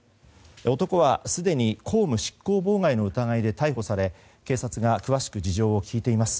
男はすでに公務執行妨害の疑いで逮捕され警察が詳しく事情を聴いています。